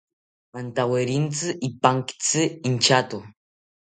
Antawerintzi ipankitzi inchato